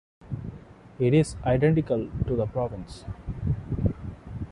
It is identical to the province.